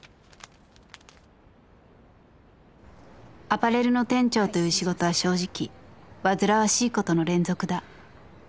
［アパレルの店長という仕事は正直煩わしいことの連続だ］